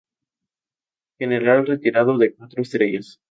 General retirado de cuatro estrellas.